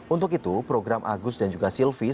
untuk itu program agus dan juga silvi